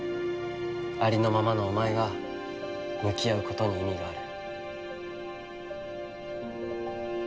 ありのままのお前が向き合うことに意味がある。